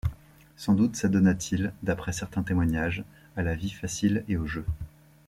Sans doute s'adonna-t-il, d'après certains témoignages, à la vie facile et au jeu.